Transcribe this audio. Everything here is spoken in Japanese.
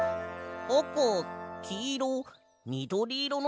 あかきいろみどりいろのけ。